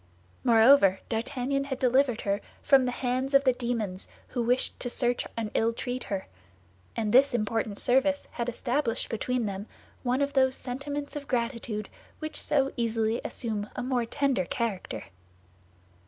Moreover, D'Artagnan had delivered her from the hands of the demons who wished to search and ill treat her; and this important service had established between them one of those sentiments of gratitude which so easily assume a more tender character.